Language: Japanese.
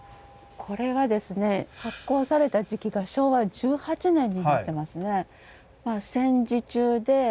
これはですね発行された時期が昭和１８年になってますね。